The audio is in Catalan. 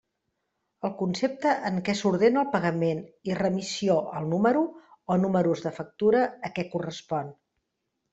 El concepte en què s'ordena el pagament i remissió al número o números de factura a què correspon.